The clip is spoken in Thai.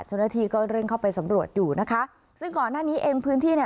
เจ้าหน้าที่ก็เร่งเข้าไปสำรวจอยู่นะคะซึ่งก่อนหน้านี้เองพื้นที่เนี่ย